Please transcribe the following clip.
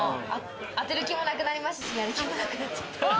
当てる気もなくなりますし、やる気もなくなっちゃった。